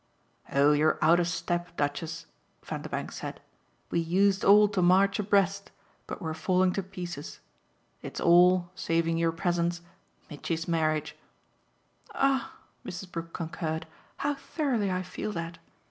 "Oh you're out of step, Duchess," Vanderbank said. "We used all to march abreast, but we're falling to pieces. It's all, saving your presence, Mitchy's marriage." "Ah," Mrs. Brook concurred, "how thoroughly I feel that!